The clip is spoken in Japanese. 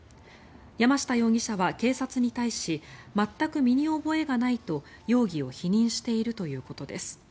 山下容疑者は警察に対し全く身に覚えがないと容疑を否認しているということです。